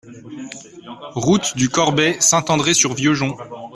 Route du Corbet, Saint-André-sur-Vieux-Jonc